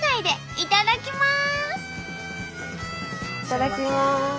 いただきます。